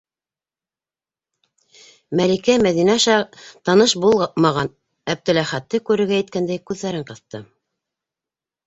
- Мәликә, Мәҙинә аша ганыш булмаған Әптеләхәтте күрергә иткәндәй, күҙҙәрен ҡыҫты.